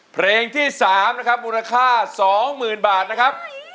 เพลงที่๓นะครับมูลค่า๒๐๐๐บาทนะครับ